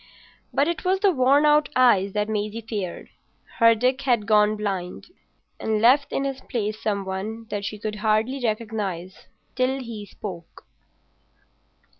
But it was the worn out eyes that Maisie feared. Her Dick had gone blind and left in his place some one that she could hardly recognise till he spoke.